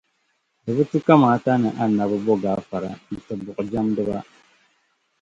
Di bi tu kamaata ni Annabi bo gaafara n-ti buɣujɛmdiba.